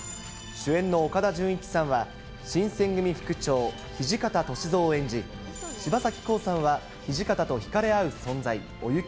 主演の岡田准一さんは、新選組副長、土方歳三を演じ、柴咲コウさんは、土方と引かれ合う存在、お雪。